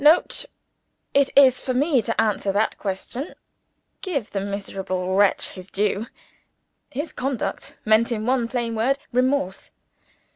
[Note. It is for me to answer that question. Give the miserable wretch his due. His conduct meant, in one plain word remorse.